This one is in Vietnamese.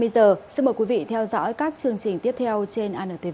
xin mời quý vị theo dõi các chương trình tiếp theo trên antv